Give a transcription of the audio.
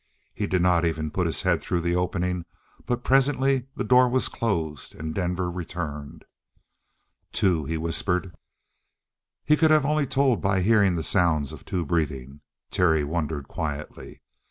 He did not even put his head through the opening, but presently the door was closed and Denver returned. "Two," he whispered. He could only have told by hearing the sounds of two breathing; Terry wondered quietly.